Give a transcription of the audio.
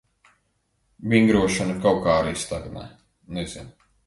Vingrošana kaut kā arī stagnē. Nezinu...